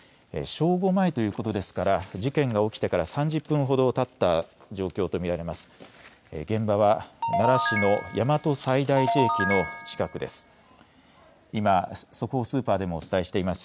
正午前ということですから事件が起きてから３０分ほどたった状況と見られます。